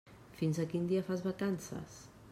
Fins a quin dia fas vacances?